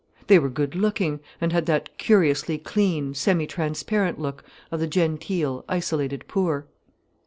They were good looking, and had that curiously clean, semi transparent look of the genteel, isolated poor.